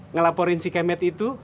ngelaporin si kemet itu